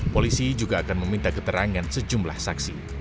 polisi juga akan meminta keterangan sejumlah saksi